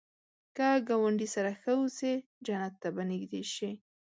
که ګاونډي سره ښه اوسې، جنت ته به نږدې شې